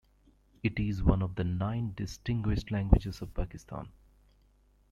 It is one of the nine distinguished languages of Pakistan.